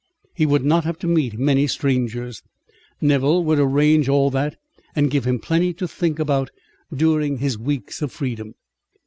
He would not have to meet many strangers. Nevill would arrange all that, and give him plenty to think about during his weeks of freedom.